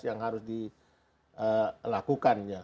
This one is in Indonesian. yang harus dilakukannya